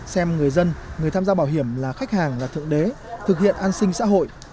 xem người dân người tham gia bảo hiểm là khách hàng là thượng đế thực hiện an sinh xã hội